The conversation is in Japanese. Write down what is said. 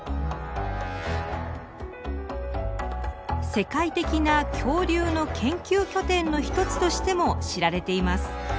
世界的な恐竜の研究拠点の一つとしても知られています。